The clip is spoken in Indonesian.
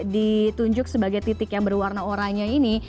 ditunjuk sebagai titik yang berwarna oranye ini